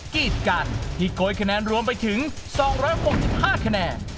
กีดกันที่โกยคะแนนรวมไปถึง๒๖๕คะแนน